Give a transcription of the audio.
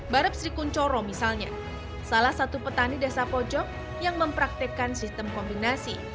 bareb sri kuncoro misalnya salah satu petani desa poujok yang mempraktekkan sistem kombinasi